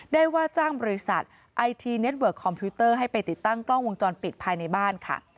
ว่าจ้างบริษัทไอทีเน็ตเวิร์คคอมพิวเตอร์ให้ไปติดตั้งกล้องวงจรปิดภายในบ้านค่ะ